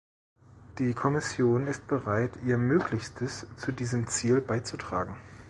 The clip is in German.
Die Kommission ist bereit, ihr Möglichstes zu diesem Ziel beizutragen.